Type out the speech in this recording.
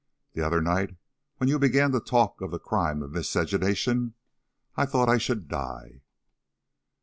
The other night when you began to talk of the crime of miscegenation, I thought I should die."